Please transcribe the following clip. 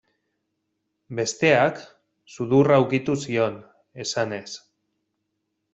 Besteak, sudurra ukitu zion, esanez.